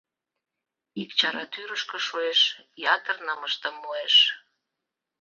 Ик чара тӱрышкӧ шуэш, ятыр нымыштым муэш.